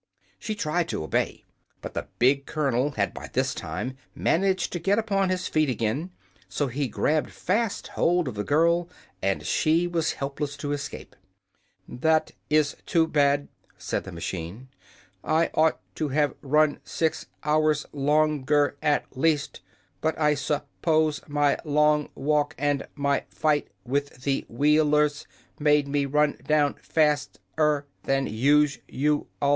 She tried to obey, but the big colonel had by this time managed to get upon his feet again, so he grabbed fast hold of the girl and she was helpless to escape. "This is too bad," said the machine. "I ought to have run six hours lon ger, at least, but I sup pose my long walk and my fight with the Wheel ers made me run down fast er than us u al."